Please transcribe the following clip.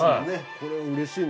これ、うれしいね。